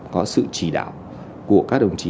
có sự chỉ đạo của các đồng chí